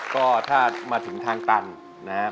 ก็ถ้ามาถึงทางตันนะครับ